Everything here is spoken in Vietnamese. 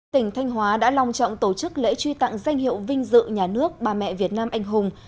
tỉnh thanh hóa đã lòng trọng tổ chức lễ truy tặng danh hiệu vinh dự nhà nước bà mẹ việt nam anh hùng